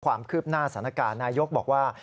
ความคืบหน้าสถานการณ์นายกบอกว่า